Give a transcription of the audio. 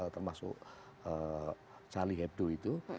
termasuk charlie hebdo itu